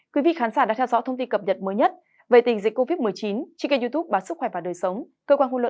các bạn hãy đăng ký kênh để ủng hộ kênh của chúng mình nhé